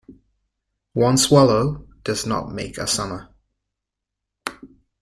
One swallow does not make a summer.